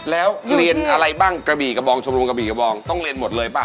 แล้วเรียนอะไรบ้างกระบี่กระบองชมรมกระบี่กระบองต้องเรียนหมดเลยป่ะ